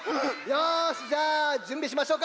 よしじゃあじゅんびしましょうか。